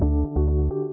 sudah ketum hal ini